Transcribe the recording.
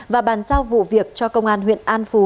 và bàn giao vụ việc cho công an huyện an phú